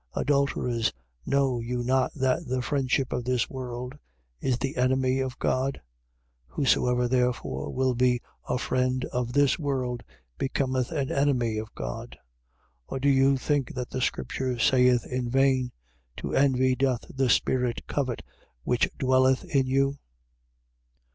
4:4. Adulterers, know you not that the friendship of this world is the enemy of God? Whosoever therefore will be a friend of this world becometh an enemy of God. 4:5. Or do you think that the scripture saith in vain: To envy doth the spirit covet which dwelleth in you?